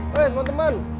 hei semua temen